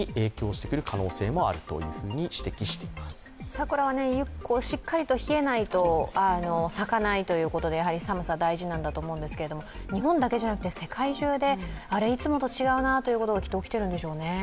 桜はしっかりと冷えないと咲かないということで寒さ、大事なんだと思うんですけれども日本だけじゃなくて、世界中であれ、いつもと違うなということが起きているんでしょうね。